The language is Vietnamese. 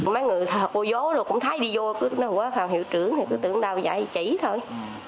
mấy người thầy cô dố rồi cũng thấy đi vô cứ nói hùa thầy hiệu trưởng cứ tưởng đau dạy chỉ thôi